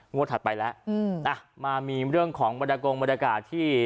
งวดถัดไปละอืมอ่ามามีเรื่องของมดกงบรรยากาศที่